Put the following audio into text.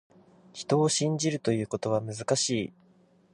人を信じるということは、難しい。